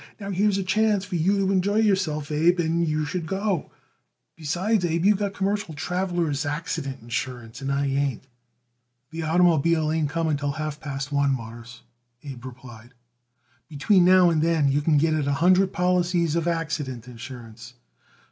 Now, here's a chance for you to enjoy yourself, Abe, and you should go. Besides, Abe, you got commercial travelers' accident insurance, and I ain't." "The oitermobile ain't coming till half past one, Mawruss," Abe replied; "between now and then you could get it a hundred policies of accident insurance.